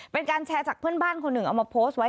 เป็นการแชร์จากเพื่อนบ้านคนหนึ่งเอามาโพสต์ไว้